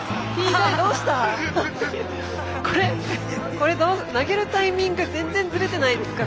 これ投げるタイミング全然ずれてないですか？